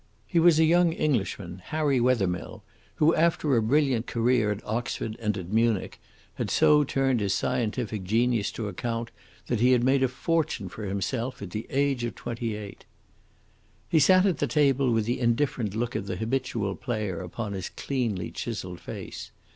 He was a young Englishman, Harry Wethermill, who, after a brilliant career at Oxford and at Munich, had so turned his scientific genius to account that he had made a fortune for himself at the age of twenty eight. He sat at the table with the indifferent look of the habitual player upon his cleanly chiselled face.